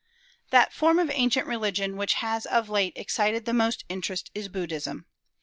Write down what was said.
That form of ancient religion which has of late excited the most interest is Buddhism.